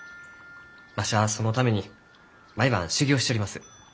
わしはそのために毎晩修業しちょります。